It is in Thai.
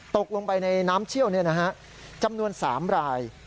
ตกลงไปในน้ำเชี่ยวเนี่ยนะฮะจำนวน๓ราย